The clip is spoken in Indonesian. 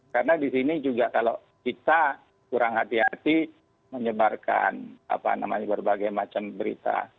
karena di sini juga kalau kita kurang hati hati menyebarkan berbagai macam berita